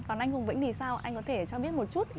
còn anh hùng vĩnh thì sao anh có thể cho biết một chút